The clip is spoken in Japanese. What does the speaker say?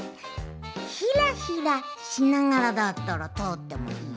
ひらひらしながらだったらとおってもいいぞ。